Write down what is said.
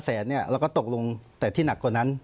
๕แสนแล้วก็ตกลงแต่ที่หนักกว่านั้น